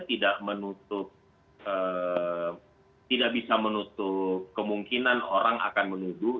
tidak menutup tidak bisa menutup kemungkinan orang akan menuduh